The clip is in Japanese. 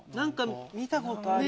見たことあるかも。